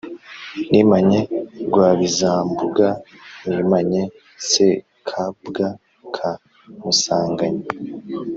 nimanye Rwabizambuga; nimanye Sekabwa ka Musanganya